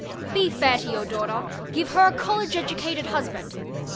_Be fair to your daughter Give her a College educated husband!